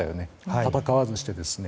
戦わずして。